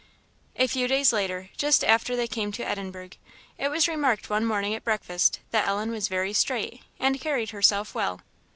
A few days later, just after they came to Edinburgh, it was remarked one morning at breakfast that Ellen was very straight, and carried herself well.